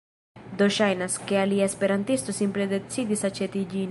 Do ŝajnas, ke alia esperantisto simple decidis aĉeti ĝin